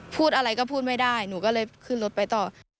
พูดอะไรก็พูดไม่ได้หนูก็เลยขึ้นรถไปต่อ